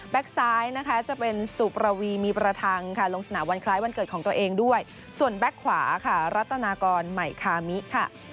ซ้ายนะคะจะเป็นสุประวีมีประทังค่ะลงสนามวันคล้ายวันเกิดของตัวเองด้วยส่วนแก๊กขวาค่ะรัตนากรใหม่คามิค่ะ